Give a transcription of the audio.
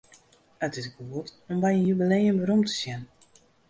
It is goed om by in jubileum werom te sjen.